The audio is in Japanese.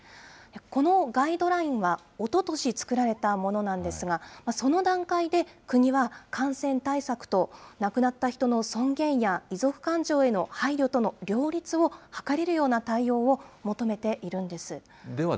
このガイドラインはおととし作られたものなんですが、その段階で、国は感染対策と亡くなった人の尊厳や遺族感情への配慮との両立を図れるような対応を求めているんです。